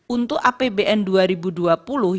untuk apbn dua ribu dua puluh